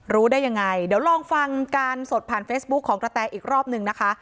รู้ได้ยังไงเดี๋ยวลองฟังการสดผ่านเฟซบุ๊คของกระแตอีกรอบหนึ่งนะคะ